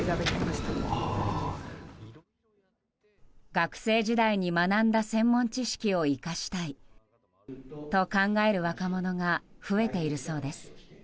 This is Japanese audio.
学生時代に学んだ専門知識を生かしたいと考える若者が増えているそうです。